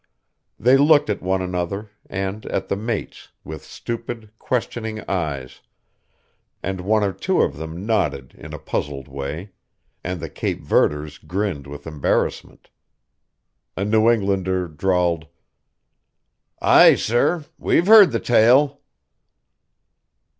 They looked at one another, and at the mates, with stupid, questioning eyes; and one or two of them nodded in a puzzled way, and the Cape Verders grinned with embarrassment. A New Englander drawled: "Aye, sir. We've heard th' tale."